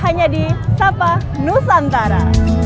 hanya di sapa nusantara